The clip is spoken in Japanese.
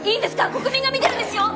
国民が見てるんですよ。